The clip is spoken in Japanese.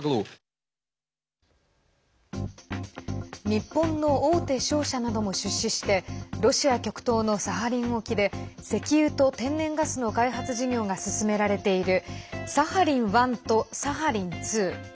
日本の大手商社なども出資してロシア極東のサハリン沖で石油と天然ガスの開発事業が進められているサハリン１とサハリン２。